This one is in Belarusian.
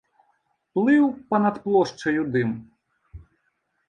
Плыў па-над плошчаю дым.